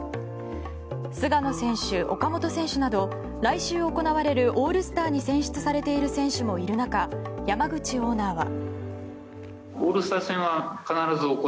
菅野選手、岡本選手など来週行われるオールスターに選出されている選手もいる中山口オーナーは。